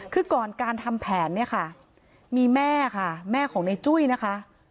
คือก่อนการทำแผนเนี่ยค่ะมีแม่ค่ะแม่ของในจุ้ยนะคะ